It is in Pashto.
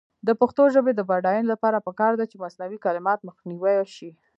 د پښتو ژبې د بډاینې لپاره پکار ده چې مصنوعي کلمات مخنیوی شي.